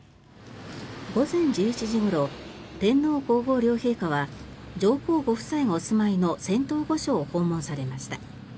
午前１１時ごろ天皇・皇后両陛下は上皇ご夫妻がお住まいの仙洞御所を訪問されました。